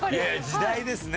時代ですね！